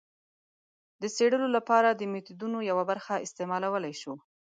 د څېړلو لپاره د میتودونو یوه برخه استعمالولای شو.